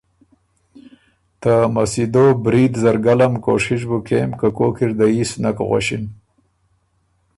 ته مسیدو برید زر ګلم کوشش بُو کېم که کوک اِر دييس نک غؤݭِن